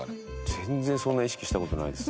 全然そんな意識した事ないです。